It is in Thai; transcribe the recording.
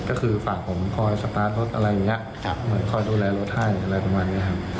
ก็คือฝากผมคอยสตาร์ทรถอะไรอย่างนี้เหมือนคอยดูแลรถให้อะไรประมาณนี้ครับ